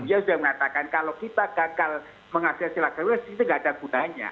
dia sudah mengatakan kalau kita gagal mengakses sila kelima tidak ada gunanya